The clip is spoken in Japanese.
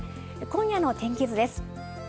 今夜の天気図です。